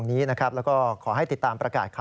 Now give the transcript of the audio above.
นี่แหละนี่แหละนี่แหละนี่แหละ